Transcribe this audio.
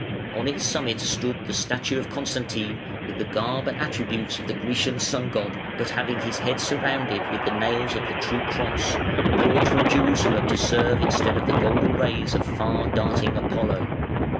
On its summit stood the statue of Constantine with the garb and attributes of the Grecian Sun God, but having his head surrounded with the nails of the True Cross, brought from Jerusalem to serve instead of the golden rays of far darting Apollo.